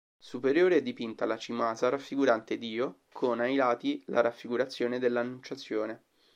Superiore è dipinta la cimasa raffigurante Dio con ai lati la raffigurazione dell"'Annunciazione".